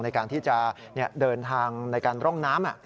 ในการที่จะเดินทางในการร่องน้ำ